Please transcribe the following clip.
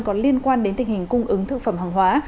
có liên quan đến tình hình cung ứng thực phẩm hàng hóa